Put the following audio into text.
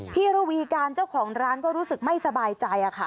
ระวีการเจ้าของร้านก็รู้สึกไม่สบายใจค่ะ